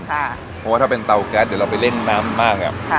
เพราะว่าถ้าเป็นเตาก๊าซเดี๋ยวเราไปเล่นน้ำบ้างอ่ะ